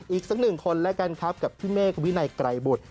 อีกสักหนึ่งคนแล้วกันครับกับพี่เมฆวินัยไกรบุตร